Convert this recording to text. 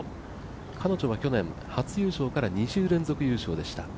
彼女は去年初優勝から２週連続優勝でした。